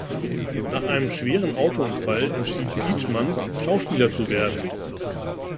Nach einem schweren Autounfall entschied Pietschmann, Schauspieler zu werden.